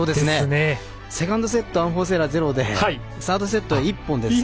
セカンドセットアンフォーストエラー、ゼロでラストセット、１本です。